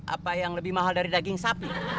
apa yang lebih mahal dari daging sapi